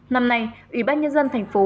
năm nay ủy ban nhân dân thành phố